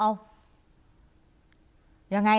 เอายังไง